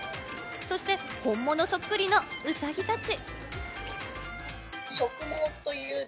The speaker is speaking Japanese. そして本物そっくりのウサギたち。